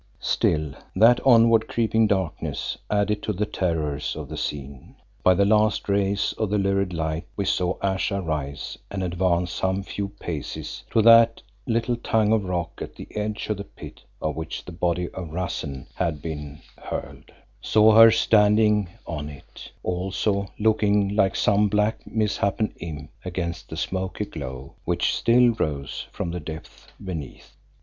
Still that onward creeping darkness added to the terrors of the scene. By the last rays of the lurid light we saw Ayesha rise and advance some few paces to that little tongue of rock at the edge of the pit off which the body of Rassen had been hurled; saw her standing on it, also, looking like some black, misshapen imp against the smoky glow which still rose from the depths beneath.